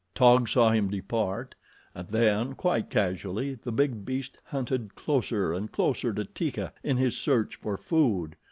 Taug saw him depart, and then, quite casually, the big beast hunted closer and closer to Teeka in his search for food.